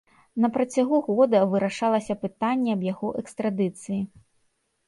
На працягу года вырашалася пытанне аб яго экстрадыцыі.